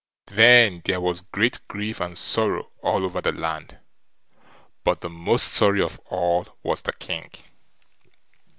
Then there was great grief and sorrow all over the land, but the most sorry of all was the king.